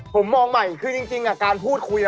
ผมมองใหม่คือจริงการพูดคุย